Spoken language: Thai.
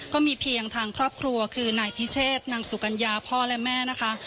ก็มีเพียงทางครอบครัวคือนายพิเชษนางสุกัญญาพ่อและแม่นะคะ